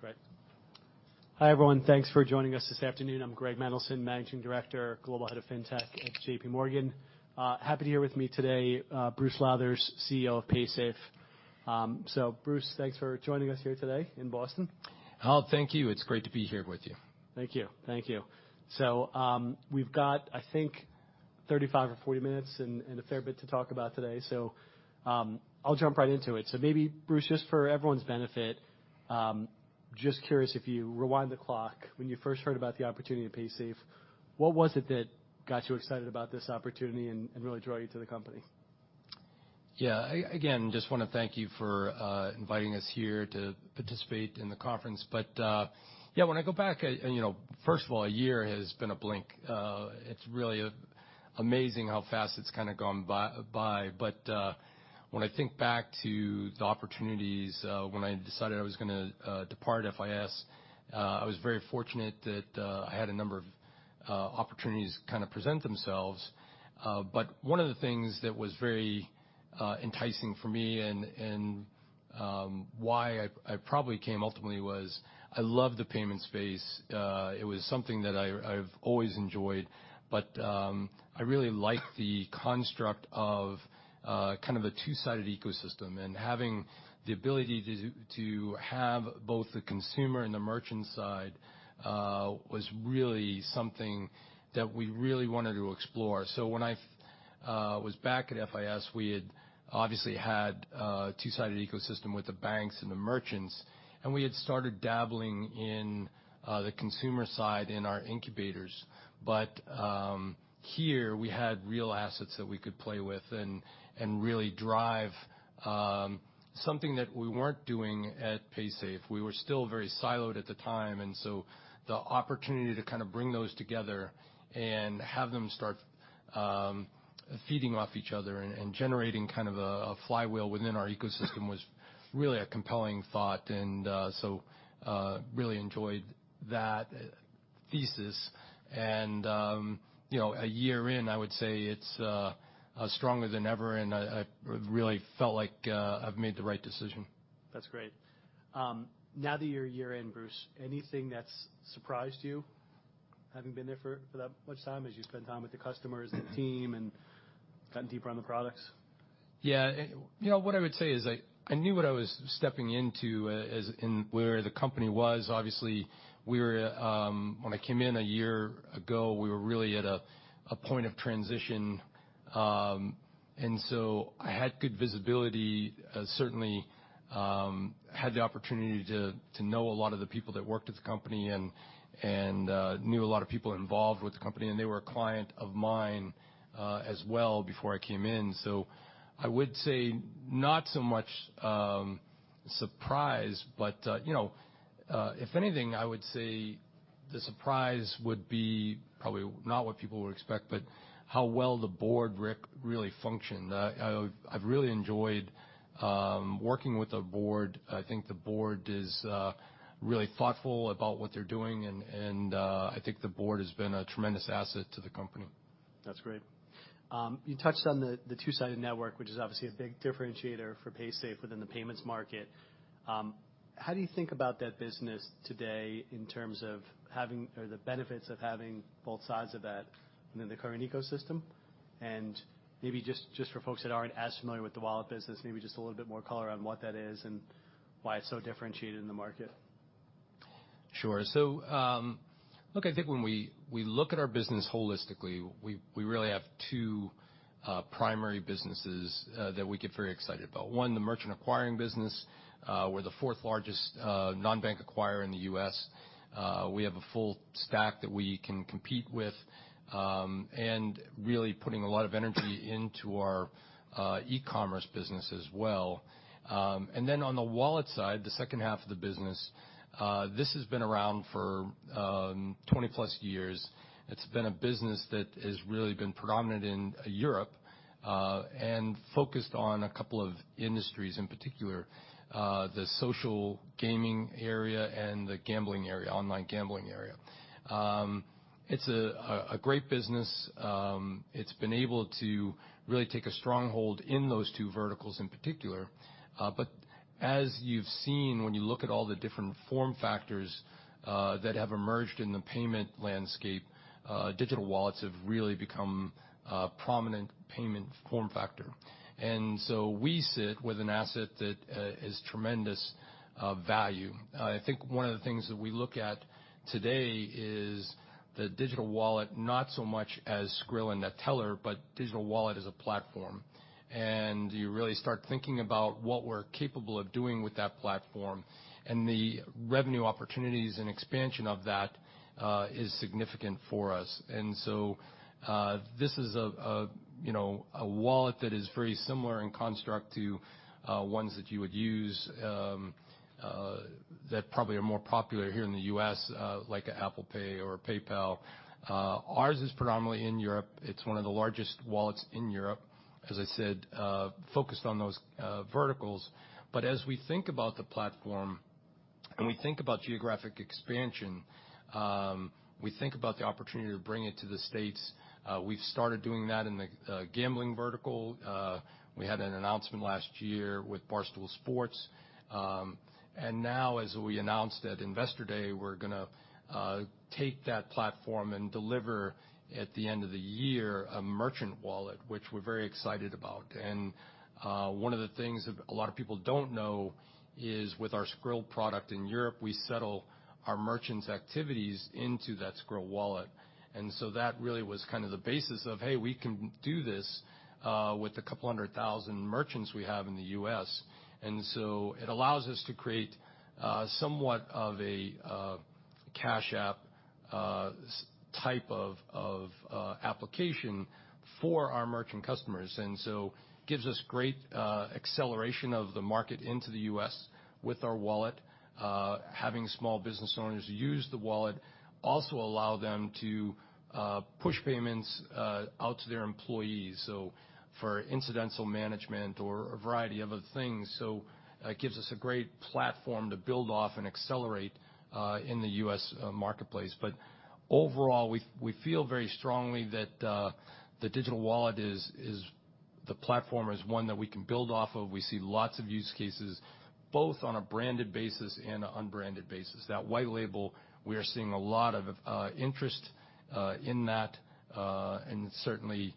Great. Hi, everyone. Thanks for joining us this afternoon. I'm Greg Mendelson, Managing Director, Global Head of Fintech at JPMorgan. happy to here with me today, Bruce Lowthers, CEO of Paysafe. Bruce, thanks for joining us here today in Boston. Oh, thank you. It's great to be here with you. Thank you. Thank you. We've got, I think 35 or 40 minutes and a fair bit to talk about today, so, I'll jump right into it. Maybe Bruce, just for everyone's benefit, just curious if you rewind the clock, when you first heard about the opportunity at Paysafe, what was it that got you excited about this opportunity and really draw you to the company? Yeah. Again, just wanna thank you for inviting us here to participate in the conference. Yeah, when I go back, and, you know, first of all, a year has been a blink. It's really amazing how fast it's kind of gone by. When I think back to the opportunities, when I decided I was gonna depart FIS, I was very fortunate that I had a number of opportunities kind of present themselves. One of the things that was very enticing for me and why I probably came ultimately was I love the payment space. It was something that I've always enjoyed, but I really like the construct of kind of a two-sided ecosystem and having the ability to have both the consumer and the merchant side was really something that we really wanted to explore. When I was back at FIS, we had obviously had a two-sided ecosystem with the banks and the merchants, and we had started dabbling in the consumer side in our incubators. Here we had real assets that we could play with and really drive something that we weren't doing at Paysafe. We were still very siloed at the time. The opportunity to kind of bring those together and have them start feeding off each other and generating kind of a flywheel within our ecosystem was really a compelling thought. Really enjoyed that thesis. You know, a year in, I would say it's stronger than ever, and I really felt like I've made the right decision. That's great. now that you're a year in, Bruce, anything that's surprised you, having been there for that much time as you spend time with the customers, the team, and gotten deeper on the products? Yeah. You know, what I would say is I knew what I was stepping into as in where the company was. Obviously, we were, when I came in a year ago, we were really at a point of transition. I had good visibility. Certainly, had the opportunity to know a lot of the people that worked at the company and knew a lot of people involved with the company, and they were a client of mine as well before I came in. I would say not so much surprise, but, you know, if anything, I would say the surprise would be probably not what people would expect, but how well the board really functioned. I've, I've really enjoyed working with the board. I think the board is really thoughtful about what they're doing and, I think the board has been a tremendous asset to the company. That's great. You touched on the two-sided network, which is obviously a big differentiator for Paysafe within the payments market. How do you think about that business today in terms of having or the benefits of having both sides of that within the current ecosystem? Maybe just for folks that aren't as familiar with the wallet business, maybe just a little bit more color on what that is and why it's so differentiated in the market. Sure. Look, I think when we look at our business holistically, we really have two primary businesses that we get very excited about. One, the merchant acquiring business. We're the fourth largest non-bank acquirer in the U.S. We have a full stack that we can compete with, and really putting a lot of energy into our e-commerce business as well. On the wallet side, the second half of the business, this has been around for 20-plus years. It's been a business that has really been predominant in Europe and focused on a couple of industries, in particular, the social gaming area and the gambling area, online gambling area. It's a great business. It's been able to really take a stronghold in those two verticals in particular. As you've seen, when you look at all the different form factors that have emerged in the payment landscape, digital wallets have really become a prominent payment form factor. We sit with an asset that is tremendous of value. I think one of the things that we look at today is the digital wallet, not so much as Skrill and Neteller, but digital wallet as a platform. You really start thinking about what we're capable of doing with that platform and the revenue opportunities and expansion of that is significant for us. This is a, you know, a wallet that is very similar in construct to ones that you would use that probably are more popular here in the U.S., like Apple Pay or PayPal. Ours is predominantly in Europe. It's one of the largest wallets in Europe, as I said, focused on those verticals. As we think about the platform when we think about geographic expansion, we think about the opportunity to bring it to the States. We've started doing that in the gambling vertical. We had an announcement last year with Barstool Sports. Now as we announced at Investor Day, we're gonna take that platform and deliver at the end of the year a merchant wallet, which we're very excited about. One of the things that a lot of people don't know is with our Skrill product in Europe, we settle our merchants' activities into that Skrill wallet. That really was kind of the basis of, hey, we can do this with the couple hundred thousand merchants we have in the U.S. It allows us to create somewhat of a Cash App type of application for our merchant customers. It gives us great acceleration of the market into the U.S. with our wallet. Having small business owners use the wallet also allow them to push payments out to their employees, so for incidental management or a variety of other things. It gives us a great platform to build off and accelerate in the U.S. marketplace. Overall, we feel very strongly that the digital wallet is the platform is one that we can build off of. We see lots of use cases, both on a branded basis and an unbranded basis. That white label, we are seeing a lot of interest in that, and certainly,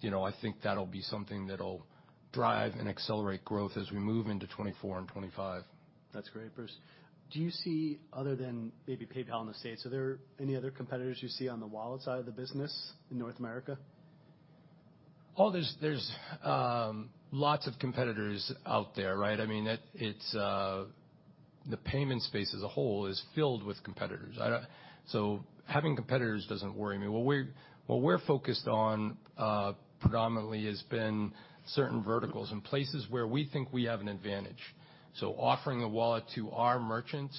you know, I think that'll be something that'll drive and accelerate growth as we move into 2024 and 2025. That's great, Bruce. Do you see, other than maybe PayPal in the States, are there any other competitors you see on the wallet side of the business in North America? Oh, there's lots of competitors out there, right? I mean, it's the payment space as a whole is filled with competitors. Having competitors doesn't worry me. What we're focused on predominantly has been certain verticals and places where we think we have an advantage. Offering a wallet to our merchants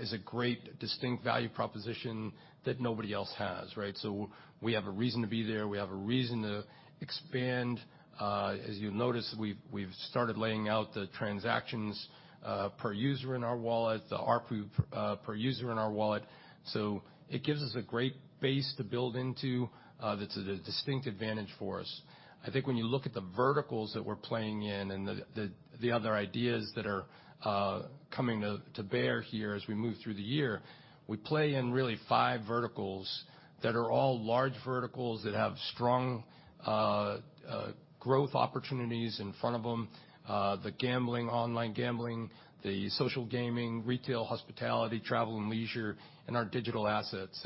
is a great distinct value proposition that nobody else has, right? We have a reason to be there. We have a reason to expand. As you'll notice, we've started laying out the transactions per user in our wallet, the ARPU per user in our wallet. It gives us a great base to build into, that's a distinct advantage for us. I think when you look at the verticals that we're playing in and the other ideas that are coming to bear here as we move through the year, we play in really five verticals that are all large verticals that have strong growth opportunities in front of them, the gambling, online gambling, the social gaming, retail, hospitality, travel and leisure, and our digital assets.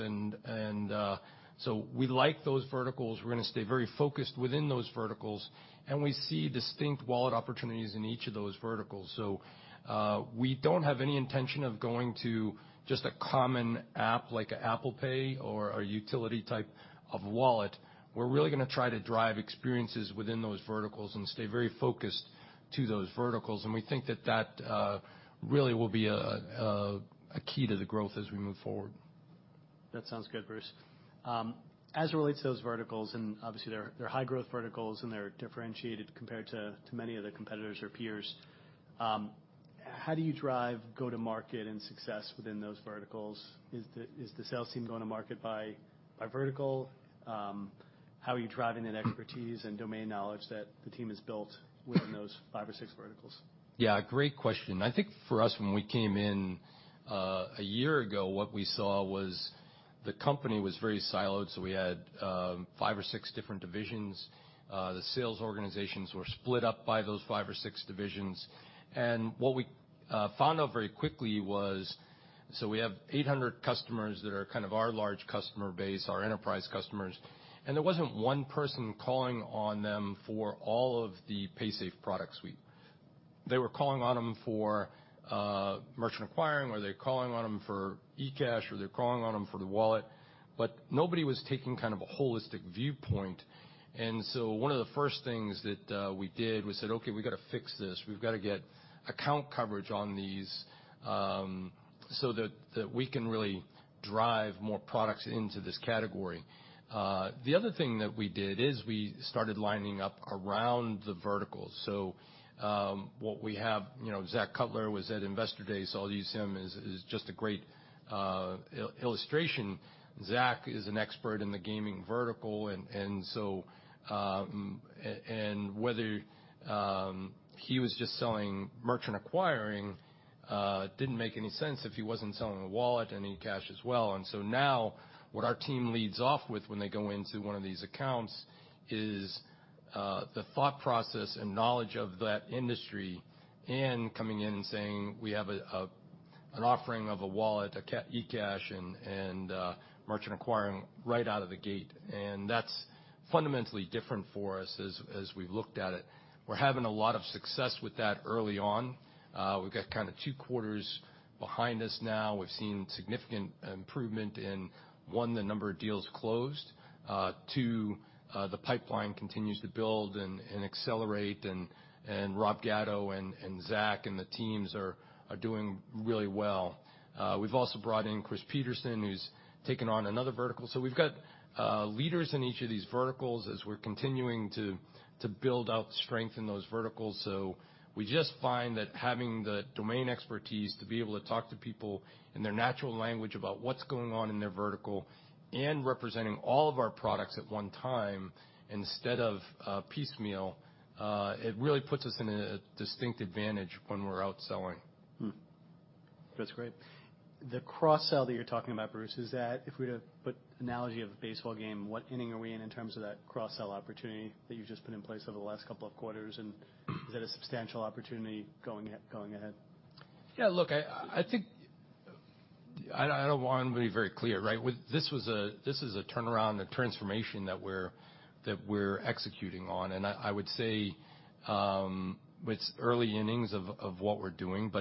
We like those verticals. We're gonna stay very focused within those verticals, and we see distinct wallet opportunities in each of those verticals. We don't have any intention of going to just a common app like Apple Pay or a utility type of wallet. We're really gonna try to drive experiences within those verticals and stay very focused to those verticals. We think that really will be a key to the growth as we move forward. That sounds good, Bruce. As it relates to those verticals, obviously they're high growth verticals and they're differentiated compared to many of the competitors or peers, how do you drive go-to-market and success within those verticals? Is the sales team going to market by vertical? How are you driving that expertise and domain knowledge that the team has built within those five or six verticals? Yeah, great question. I think for us, when we came in, a year ago, what we saw was the company was very siloed, so we had 5 or 6 different divisions. The sales organizations were split up by those 5 or 6 divisions. What we found out very quickly was, we have 800 customers that are kind of our large customer base, our enterprise customers, and there wasn't 1 person calling on them for all of the Paysafe product suite. They were calling on them for merchant acquiring, or they were calling on them for eCash, or they were calling on them for the wallet. Nobody was taking kind of a holistic viewpoint. One of the first things that we did, we said, "Okay, we gotta fix this. We've gotta get account coverage on these, so that we can really drive more products into this category. The other thing that we did is we started lining up around the verticals. What we have, you know, Zak Cutler was at Investor Day, so I'll use him as just a great illustration. Zak is an expert in the gaming vertical and so, and whether he was just selling merchant acquiring, didn't make any sense if he wasn't selling the wallet and eCash as well. Now what our team leads off with when they go into one of these accounts is the thought process and knowledge of that industry and coming in and saying, "We have an offering of a wallet, eCash, and merchant acquiring right out of the gate." That's fundamentally different for us as we've looked at it. We're having a lot of success with that early on. We've got kind of two quarters behind us now. We've seen significant improvement in 1, the number of deals closed, 2, the pipeline continues to build and accelerate. Rob Gatto and Zach and the teams are doing really well. We've also brought in Chris Petersen, who's taken on another vertical. We've got leaders in each of these verticals as we're continuing to build out strength in those verticals. We just find that having the domain expertise to be able to talk to people in their natural language about what's going on in their vertical and representing all of our products at one time instead of piecemeal, it really puts us in a distinct advantage when we're out selling. That's great. The cross-sell that you're talking about, Bruce, is that if we'd have put analogy of baseball game, what inning are we in terms of that cross-sell opportunity that you've just put in place over the last couple of quarters? Is it a substantial opportunity going ahead? Yeah, look, I don't want to be very clear, right? This is a turnaround, a transformation that we're executing on. I would say, it's early innings of what we're doing.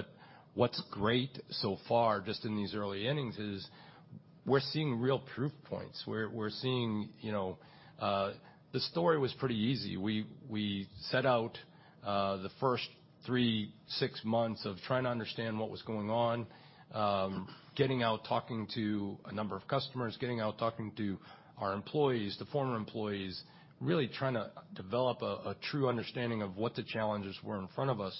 What's great so far, just in these early innings, is we're seeing real proof points. We're seeing, you know, The story was pretty easy. We set out, the first three, six months of trying to understand what was going on, getting out, talking to a number of customers, getting out, talking to our employees, the former employees, really trying to develop a true understanding of what the challenges were in front of us.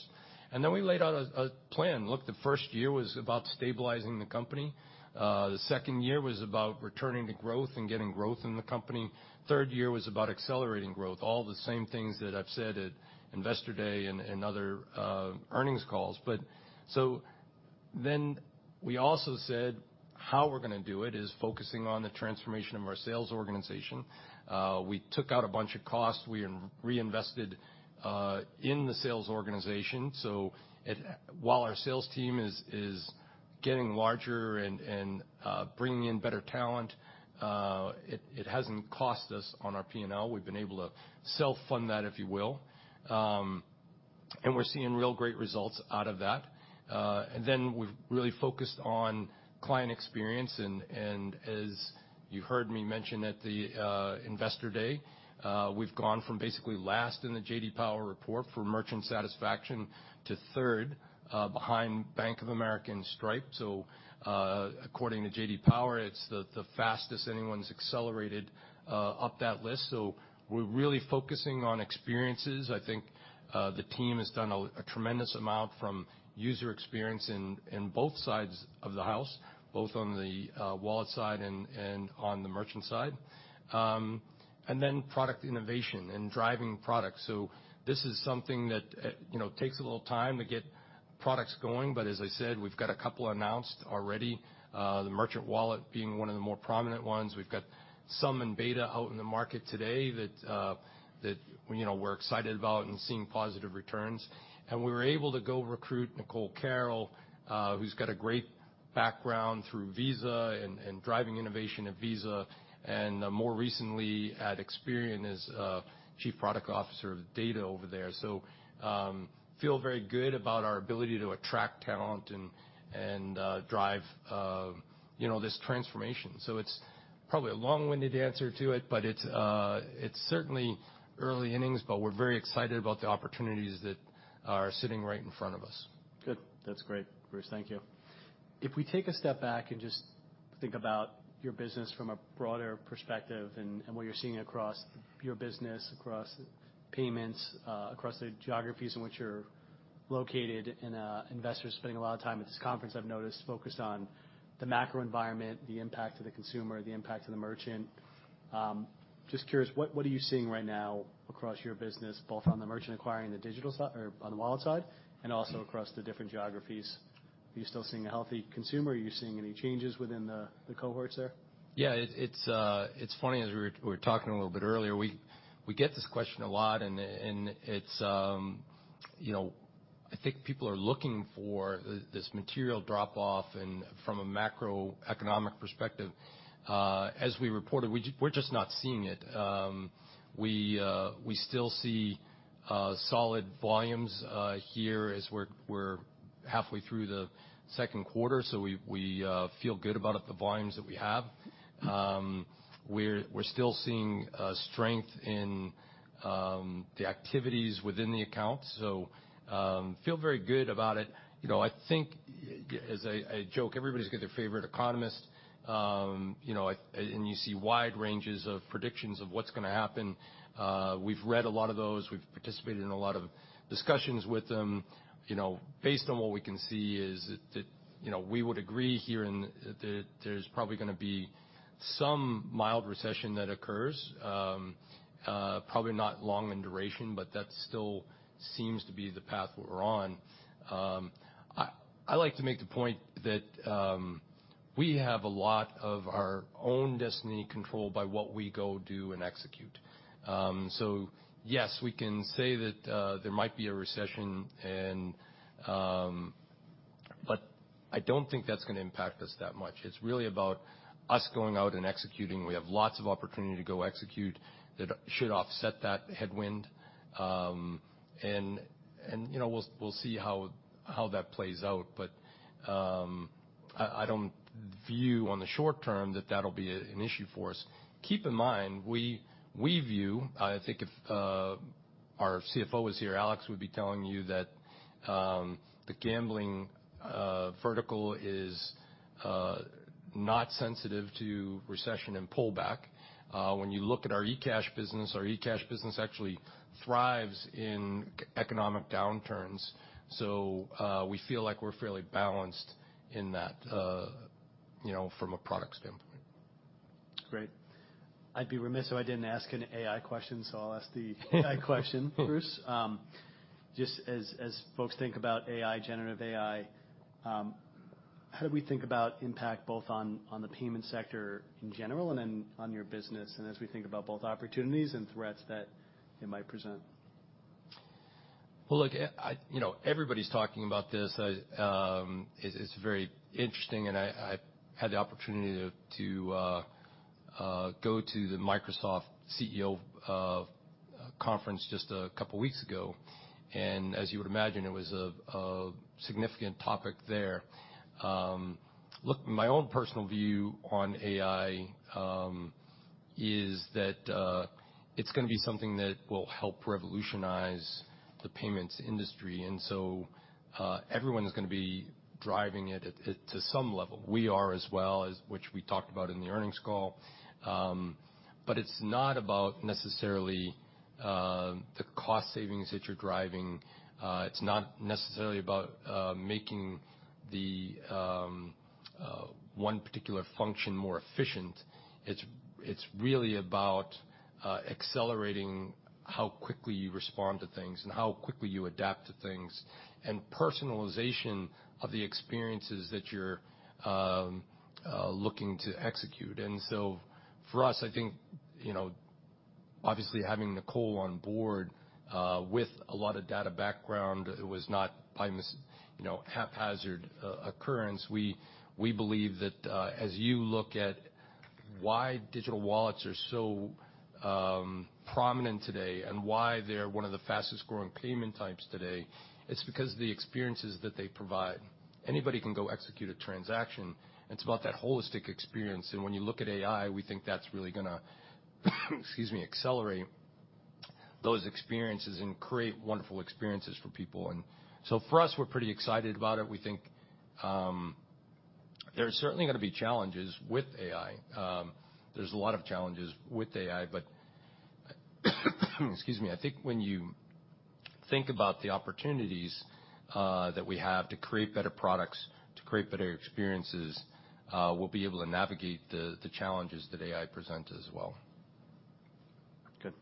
Then we laid out a plan. Look, the first year was about stabilizing the company. The second year was about returning to growth and getting growth in the company. Third year was about accelerating growth. All the same things that I've said at Investor Day and other earnings calls. We also said how we're gonna do it is focusing on the transformation of our sales organization. We took out a bunch of costs. We reinvested in the sales organization. While our sales team is getting larger and bringing in better talent, it hasn't cost us on our P&L. We've been able to self-fund that, if you will. And we're seeing real great results out of that. Then we've really focused on client experience. As you heard me mention at the Investor Day, we've gone from basically last in the J.D. Power report for merchant satisfaction to third, behind Bank of America and Square. According to J.D. Power, it's the fastest anyone's accelerated up that list. We're really focusing on experiences. I think the team has done a tremendous amount from user experience in both sides of the house, both on the wallet side and on the merchant side. Product innovation and driving products. This is something that, you know, takes a little time to get products going. As I said, we've got a couple announced already, the merchant wallet being one of the more prominent ones. We've got some in beta out in the market today that, you know, we're excited about and seeing positive returns. We were able to go recruit Nicole Carroll, who's got a great background through Visa and driving innovation at Visa, and more recently at Experian as Chief Product Officer of Data over there. Feel very good about our ability to attract talent and drive, you know, this transformation. It's probably a long-winded answer to it, but it's certainly early innings, but we're very excited about the opportunities that are sitting right in front of us. Good. That's great, Bruce. Thank you. If we take a step back and just think about your business from a broader perspective and what you're seeing across your business, across payments, across the geographies in which you're located. Investors spending a lot of time at this conference, I've noticed, focused on the macro environment, the impact to the consumer, the impact to the merchant. Just curious, what are you seeing right now across your business, both on the merchant acquiring the digital side or on the wallet side, and also across the different geographies? Are you still seeing a healthy consumer? Are you seeing any changes within the cohorts there? Yeah. It's funny, as we were talking a little bit earlier, we get this question a lot, and it's, you know, I think people are looking for this material drop-off from a macroeconomic perspective, as we reported, we're just not seeing it. We still see solid volumes here as we're halfway through the second quarter. We feel good about it, the volumes that we have. We're still seeing strength in the activities within the account, so feel very good about it. You know, I think as I joke, everybody's got their favorite economist. You know, and you see wide ranges of predictions of what's gonna happen. We've read a lot of those. We've participated in a lot of discussions with them. You know, based on what we can see is it, you know, we would agree here and that there's probably gonna be some mild recession that occurs. Probably not long in duration, but that still seems to be the path we're on. I like to make the point that we have a lot of our own destiny controlled by what we go do and execute. Yes, we can say that there might be a recession and. I don't think that's gonna impact us that much. It's really about us going out and executing. We have lots of opportunity to go execute that should offset that headwind. You know, we'll see how that plays out. I don't view on the short term that that'll be an issue for us. Keep in mind, I think if our CFO was here, Alex would be telling you that the gambling vertical is not sensitive to recession and pullback. When you look at our eCash business, our eCash business actually thrives in economic downturns. We feel like we're fairly balanced in that, you know, from a product standpoint. Great. I'd be remiss if I didn't ask an AI question, so I'll ask the AI question, Bruce. Just as folks think about AI, generative AI, how do we think about impact both on the payment sector in general and then on your business, and as we think about both opportunities and threats that it might present? Well, look, I, you know, everybody's talking about this. I, it's very interesting, and I had the opportunity to go to the Microsoft CEO conference just a couple weeks ago, and as you would imagine, it was a significant topic there. Look, my own personal view on AI is that it's gonna be something that will help revolutionize the payments industry. Everyone is gonna be driving it at to some level. We are as well, as which we talked about in the earnings call. It's not about necessarily the cost savings that you're driving, it's not necessarily about making the one particular function more efficient. It's really about accelerating how quickly you respond to things and how quickly you adapt to things and personalization of the experiences that you're looking to execute. For us, I think, you know, obviously having Nicole on board, with a lot of data background, it was not by, you know, haphazard occurrence. We believe that as you look at why digital wallets are so prominent today and why they're one of the fastest growing payment types today, it's because of the experiences that they provide. Anybody can go execute a transaction. It's about that holistic experience. When you look at AI, we think that's really gonna, excuse me, accelerate those experiences and create wonderful experiences for people. For us, we're pretty excited about it. We think there's certainly gonna be challenges with AI. There's a lot of challenges with AI, but, excuse me. I think when you think about the opportunities that we have to create better products, to create better experiences, we'll be able to navigate the challenges that AI present as well. Good.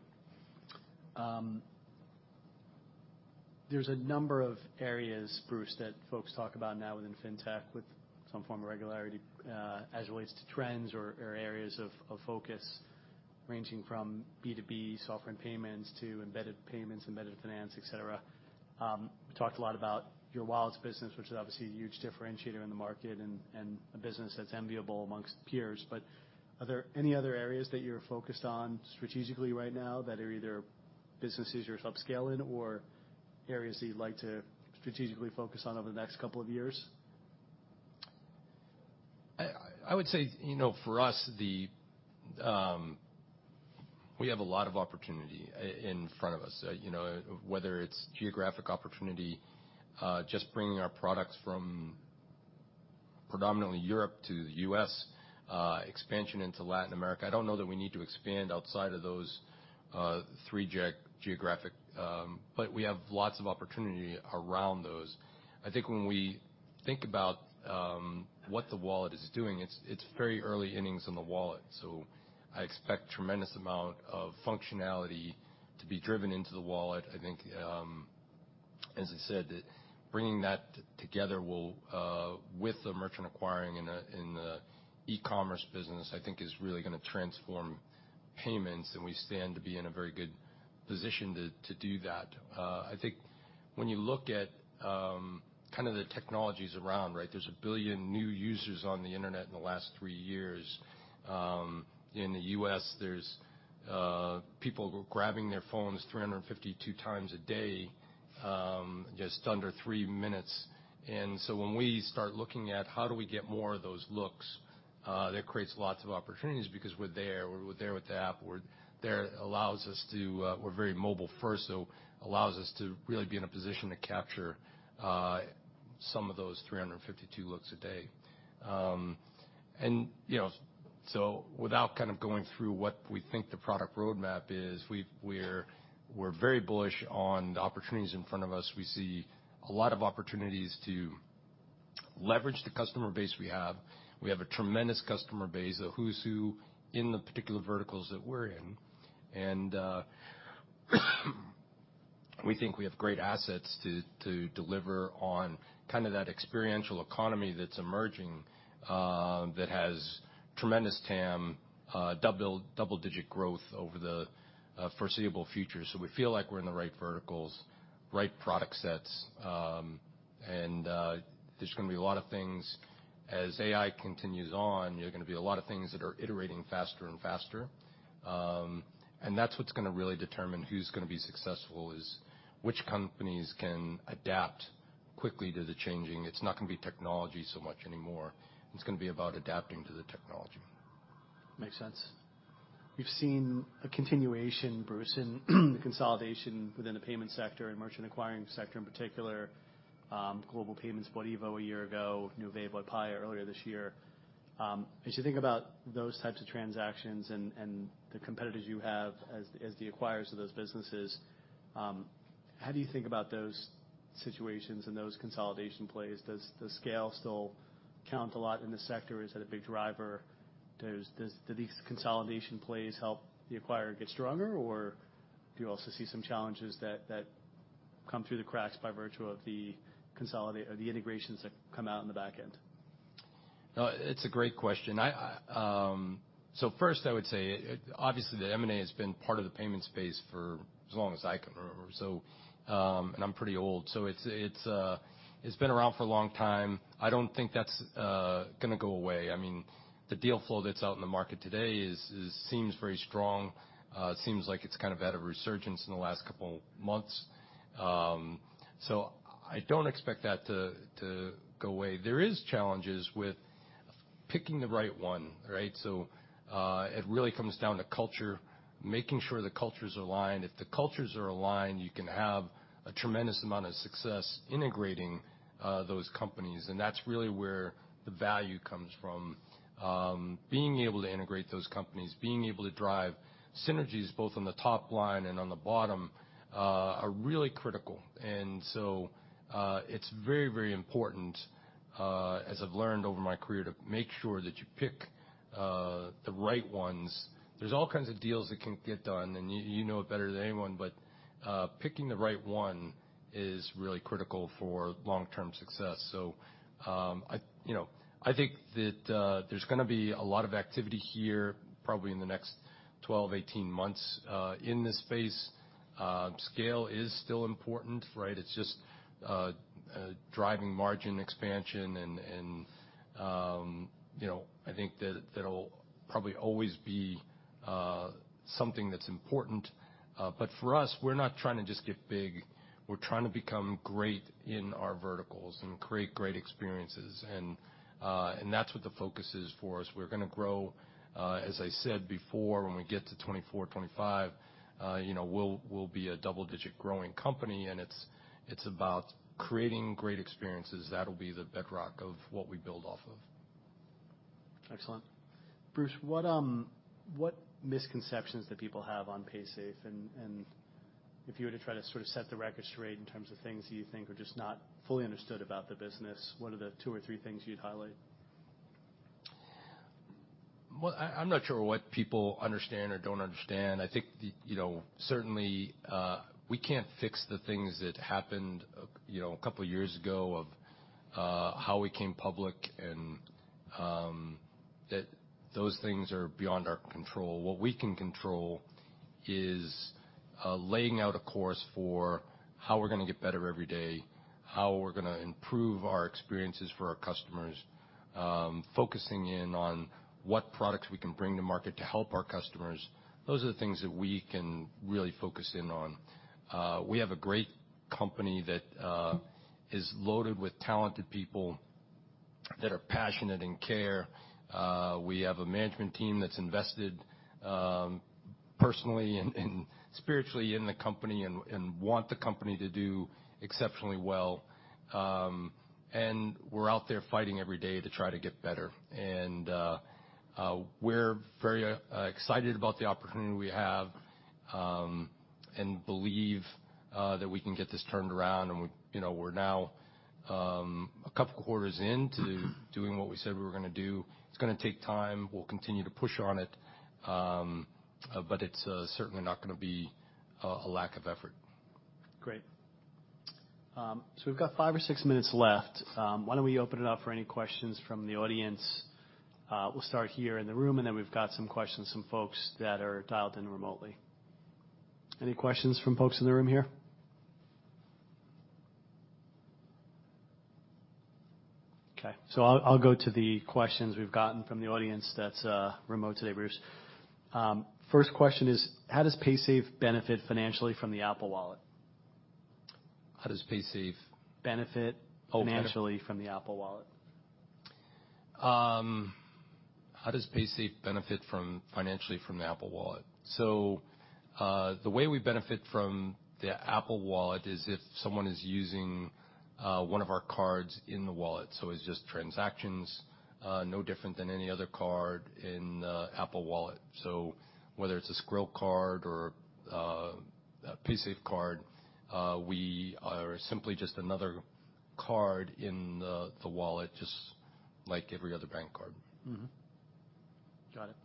There's a number of areas, Bruce, that folks talk about now within fintech with some form of regularity, as it relates to trends or areas of focus, ranging from B2B software and payments to embedded payments, embedded finance, et cetera. We talked a lot about your wallets business, which is obviously a huge differentiator in the market and a business that's enviable amongst peers. Are there any other areas that you're focused on strategically right now that are either businesses you're upscaling or areas that you'd like to strategically focus on over the next couple of years? I would say, you know, for us, the. We have a lot of opportunity in front of us. You know, whether it's geographic opportunity, just bringing our products from predominantly Europe to the U.S., expansion into Latin America. I don't know that we need to expand outside of those three geographic, but we have lots of opportunity around those. I think when we think about what the wallet is doing, it's very early innings in the wallet, so I expect tremendous amount of functionality to be driven into the wallet. I think, as I said, bringing that together will, with the merchant acquiring in the e-commerce business, I think is really gonna transform payments, and we stand to be in a very good position to do that. I think when you look at kind of the technologies around, right. There's 1 billion new users on the Internet in the last 3 years. In the U.S., there's people who are grabbing their phones 352 times a day, just under three minutes. When we start looking at how do we get more of those looks, that creates lots of opportunities because we're there. We're there with the app. We're there, allows us to. We're very mobile first, so allows us to really be in a position to capture some of those 352 looks a day. You know, so without kind of going through what we think the product roadmap is, we're very bullish on the opportunities in front of us. We see a lot of opportunities to leverage the customer base we have. We have a tremendous customer base, the who's who in the particular verticals that we're in. We think we have great assets to deliver on kind of that experiential economy that's emerging, that has tremendous TAM, double-digit growth over the foreseeable future. We feel like we're in the right verticals, right product sets. There's gonna be a lot of things. As AI continues on, there are gonna be a lot of things that are iterating faster and faster. That's what's gonna really determine who's gonna be successful, is which companies can adapt quickly to the changing. It's not gonna be technology so much anymore. It's gonna be about adapting to the technology. Makes sense. We've seen a continuation, Bruce, in the consolidation within the payment sector and merchant acquiring sector in particular, Global Payments, Adyen a year ago, Nuvei, Paya earlier this year. As you think about those types of transactions and the competitors you have as the acquirers of those businesses, how do you think about those situations and those consolidation plays. Does the scale still count a lot in the sector? Is that a big driver? Do these consolidation plays help the acquirer get stronger, or do you also see some challenges that come through the cracks by virtue of the consolidation or the integrations that come out in the back end? No, it's a great question. I First, I would say, obviously, the M&A has been part of the payment space for as long as I can remember, so, and I'm pretty old, so it's been around for a long time. I don't think that's gonna go away. I mean, the deal flow that's out in the market today is, seems very strong. It seems like it's kind of had a resurgence in the last couple months. I don't expect that to go away. There is challenges with picking the right one, right? It really comes down to culture, making sure the cultures align. If the cultures are aligned, you can have a tremendous amount of success integrating those companies, and that's really where the value comes from. Being able to integrate those companies, being able to drive synergies both on the top line and on the bottom, are really critical. It's very, very important, as I've learned over my career, to make sure that you pick the right ones. There's all kinds of deals that can get done, and you know it better than anyone, but picking the right one is really critical for long-term success. I, you know, I think that there's gonna be a lot of activity here probably in the next 12 to 18 months in this space. Scale is still important, right? It's just driving margin expansion and, you know, I think that that'll probably always be something that's important. But for us, we're not trying to just get big. We're trying to become great in our verticals and create great experiences. That's what the focus is for us. We're gonna grow, as I said before, when we get to 2024, 2025, you know, we'll be a double-digit growing company, and it's about creating great experiences. That'll be the bedrock of what we build off of. Excellent. Bruce, what misconceptions do people have on Paysafe? If you were to try to sort of set the record straight in terms of things you think are just not fully understood about the business, what are the two or three things you'd highlight? Well, I'm not sure what people understand or don't understand. I think, you know, certainly, we can't fix the things that happened, you know, a couple years ago of how we came public and that those things are beyond our control. What we can control is laying out a course for how we're gonna get better every day, how we're gonna improve our experiences for our customers, focusing in on what products we can bring to market to help our customers. Those are the things that we can really focus in on. We have a great company that is loaded with talented people that are passionate and care. We have a management team that's invested, personally and spiritually in the company and want the company to do exceptionally well. We're out there fighting every day to try to get better. We're very excited about the opportunity we have, and believe that we can get this turned around and we, you know, we're now a couple quarters in to doing what we said we were gonna do. It's gonna take time. We'll continue to push on it's certainly not gonna be a lack of effort. Great. We've got five or six minutes left. Why don't we open it up for any questions from the audience? We'll start here in the room, and then we've got some questions, some folks that are dialed in remotely. Any questions from folks in the room here? Okay, I'll go to the questions we've gotten from the audience that's remote today, Bruce. First question is, how does Paysafe benefit financially from the Apple Wallet? How does Paysafe? Benefit financially from the Apple Wallet. How does Paysafe benefit from, financially from the Apple Wallet? The way we benefit from the Apple Wallet is if someone is using one of our cards in the wallet. It's just transactions, no different than any other card in Apple Wallet. Whether it's a Skrill card or a Paysafe card, we are simply just another card in the wallet just like every other bank card. Got it.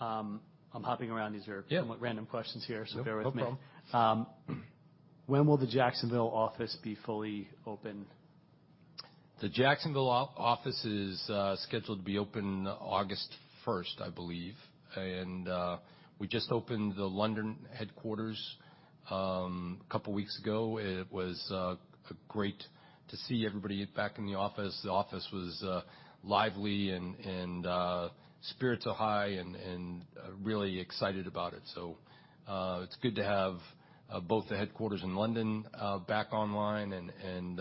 I'm hopping around. Yeah. Random questions here, so bear with me. No problem. When will the Jacksonville office be fully open? The Jacksonville office is scheduled to be open August 1st, I believe. We just opened the London headquarters a couple weeks ago. It was great to see everybody back in the office. The office was lively and spirits are high and really excited about it. It's good to have both the headquarters in London back online and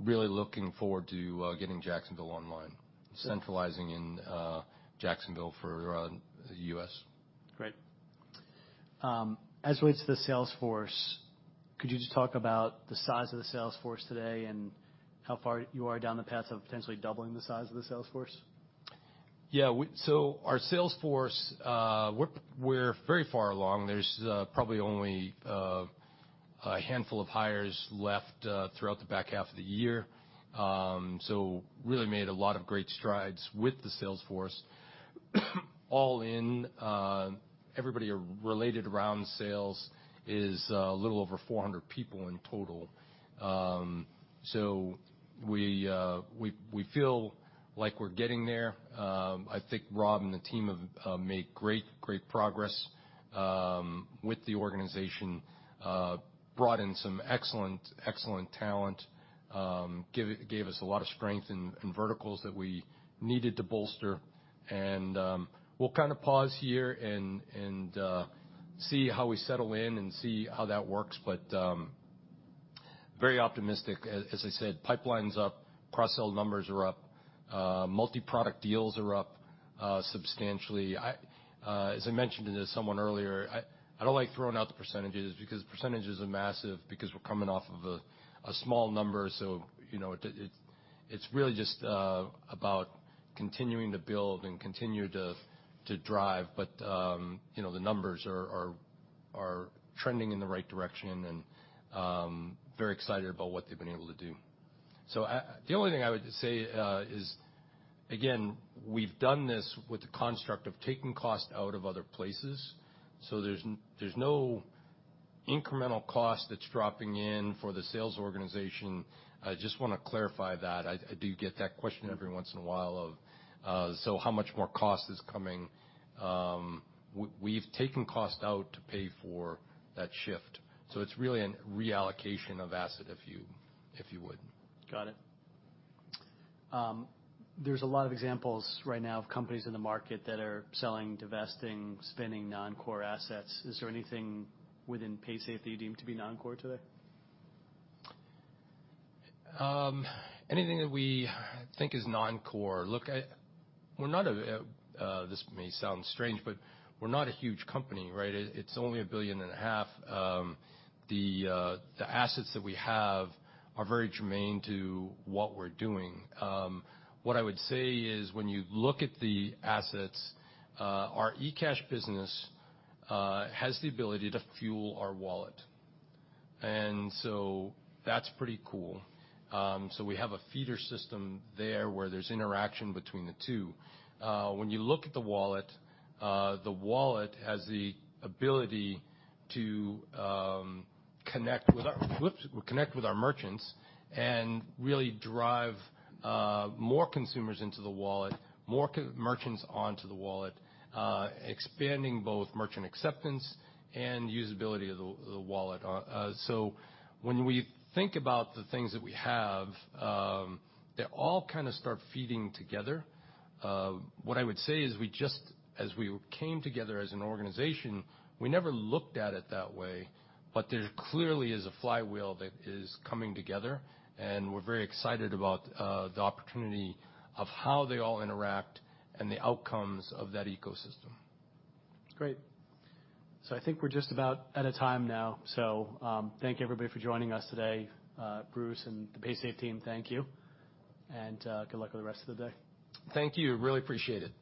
really looking forward to getting Jacksonville online. Centralizing in Jacksonville for the U.S. Great. As relates to the sales force, could you just talk about the size of the sales force today and how far you are down the path of potentially doubling the size of the sales force? Our sales force, we're very far along. There's probably only a handful of hires left throughout the back half of the year. Really made a lot of great strides with the sales force. All in, everybody related around sales is a little over 400 people in total. We feel like we're getting there. I think Rob and the team have made great progress with the organization. Brought in some excellent talent. Gave us a lot of strength in verticals that we needed to bolster. We'll kind of pause here and see how we settle in and see how that works. Very optimistic as I said, pipeline's up, cross-sell numbers are up, multi-product deals are up, substantially. I, as I mentioned to someone earlier, I don't like throwing out the percentages because percentages are massive because we're coming off of a small number. You know, it's really just about continuing to build and continue to drive. You know, the numbers are trending in the right direction and very excited about what they've been able to do. The only thing I would just say is, again, we've done this with the construct of taking cost out of other places, so there's no incremental cost that's dropping in for the sales organization. I just wanna clarify that. I do get that question every once in a while of, how much more cost is coming. We've taken cost out to pay for that shift. It's really a reallocation of asset, if you would. Got it. There's a lot of examples right now of companies in the market that are selling, divesting, spinning non-core assets. Is there anything within Paysafe that you deem to be non-core today? Anything that we think is non-core. Look, we're not a, this may sound strange, but we're not a huge company, right? It's only a billion and a half. The assets that we have are very germane to what we're doing. What I would say is, when you look at the assets, our eCash business has the ability to fuel our wallet, and so that's pretty cool. We have a feeder system there where there's interaction between the two. When you look at the wallet, the wallet has the ability to connect with our... Whoops. Connect with our merchants and really drive more consumers into the wallet, more merchants onto the wallet, expanding both merchant acceptance and usability of the wallet. When we think about the things that we have, they all kind of start feeding together. What I would say is, we just, as we came together as an organization, we never looked at it that way, but there clearly is a flywheel that is coming together, and we're very excited about the opportunity of how they all interact and the outcomes of that ecosystem. Great. I think we're just about out of time now. Thank you, everybody, for joining us today. Bruce and the Paysafe team, thank you, and good luck with the rest of the day. Thank you. Really appreciate it.